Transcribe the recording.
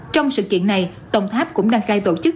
trong sự kiện này đồng tháp cũng đang khai tổ chức